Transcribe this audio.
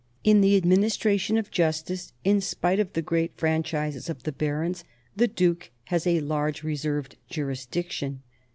In the administration of justice, in spite of the great franchises of the barons, the duke has a large reserved jurisdiction.